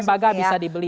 lembaga bisa dibeli